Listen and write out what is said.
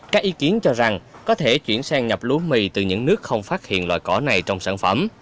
các ý kiến cho rằng có thể chuyển sang nhập lúa mì từ những nước không phát hiện loại cỏ này trong sản phẩm